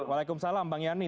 waalaikumsalam bang yani